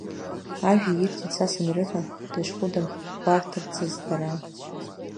Ажәа ирҭеит са санрыҳәа, дышхәыдам гәарҭарцаз дара…